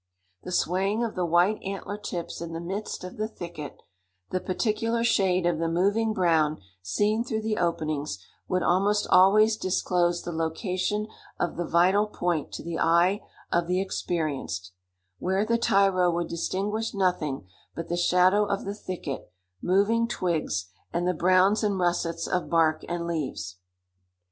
The swaying of the white antler tips in the midst of the thicket, the particular shade of the moving brown seen through the openings, would almost always disclose the location of the vital point to the eye of the experienced, where the tyro would distinguish nothing but the shadow of the thicket, moving twigs, and the browns and russets of bark and leaves.